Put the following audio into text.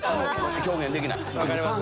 表現できない。